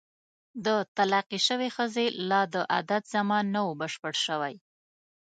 د طلاقې شوې ښځې لا د عدت زمان نه وو بشپړ شوی.